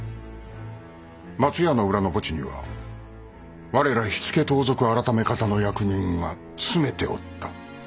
松屋の裏の墓地には我ら火付盗賊改方の役人が詰めておった。